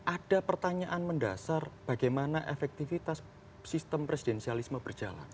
ada pertanyaan mendasar bagaimana efektivitas sistem presidensialisme berjalan